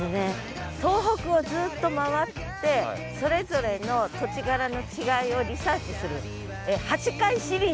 東北をずっと回ってそれぞれの土地柄の違いをリサーチする８回シリーズどうでしょうね。